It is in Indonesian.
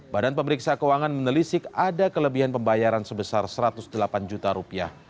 badan pemeriksa keuangan menelisik ada kelebihan pembayaran sebesar satu ratus delapan juta rupiah